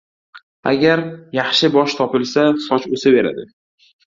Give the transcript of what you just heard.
• Agar yaxshi bosh topilsa, soch o‘saveradi.